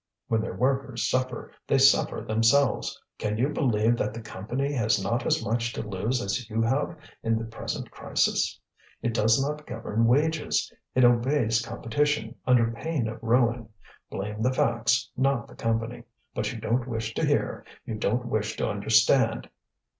When their workers suffer, they suffer themselves. Can you believe that the Company has not as much to lose as you have in the present crisis? It does not govern wages; it obeys competition under pain of ruin. Blame the facts, not the Company. But you don't wish to hear, you don't wish to understand."